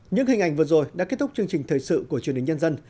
những hình ảnh vừa rồi đã kết thúc chương trình thời sự của truyền hình nhân dân